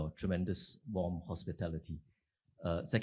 dan keamanan anda yang sangat sejuk